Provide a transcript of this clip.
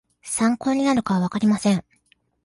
参考になるかはわかりません